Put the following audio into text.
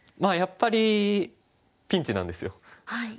やっぱりピンチなんですよ。